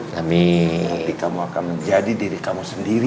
tapi kamu akan menjadi diri kamu sendiri